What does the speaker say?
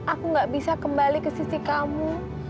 aku gak bisa kembali ke sisi kamu